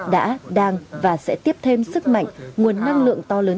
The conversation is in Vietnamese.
đã đang và sẽ tiếp thêm sức mạnh nguồn năng lượng to lớn